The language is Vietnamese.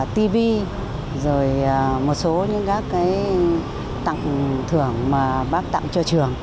tv rồi một số những các cái tặng thưởng mà bác tặng cho trường